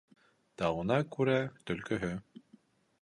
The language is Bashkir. Тауына күрә төлкөһө